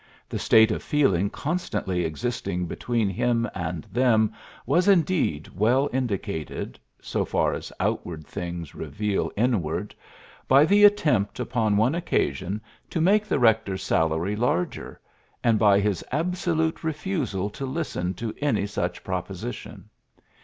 The state of feeling constantly existing between him and them was indeed well indicated so far as outward things re veal inward by the attempt upon one occasion to make the rector's salary PHILLIPS BROOKS 71 larger, and by his absolute refusal to listen to any such proposition.